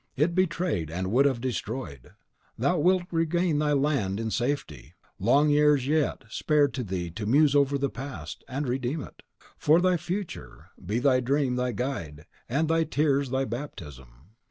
It betrayed, and would have destroyed. Thou wilt regain thy land in safety, long years yet spared to thee to muse over the past, and to redeem it. For thy future, be thy dream thy guide, and thy tears thy baptism."